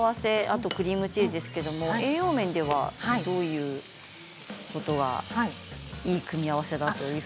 あとクリームチーズですけれども栄養面ではどういうことがいい組み合わせだと？